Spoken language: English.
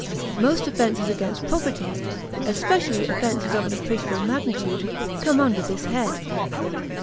Most offenses against property, especially offenses of an appreciable magnitude, come under this head.